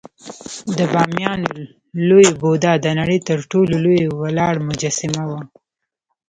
د بامیانو لوی بودا د نړۍ تر ټولو لوی ولاړ مجسمه وه